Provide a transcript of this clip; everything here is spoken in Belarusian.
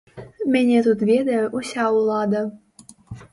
Мяне тут ведае ўся ўлада!